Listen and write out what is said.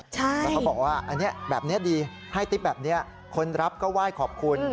แล้วเขาบอกว่าอันนี้แบบนี้ดีให้ติ๊บแบบนี้คนรับก็ไหว้ขอบคุณ